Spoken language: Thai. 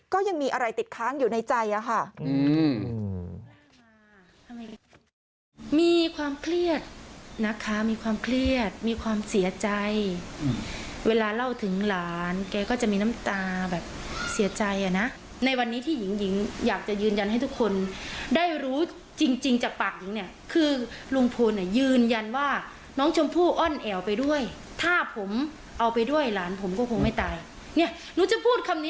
ก็ยังมีอะไรติดค้างอยู่ในใจอะค่ะ